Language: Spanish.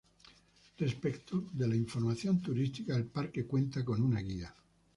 Respecto de la información turística, el Parque cuenta con una guía.